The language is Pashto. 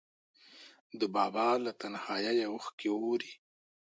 د بابا له تنهاییه اوښکې ووري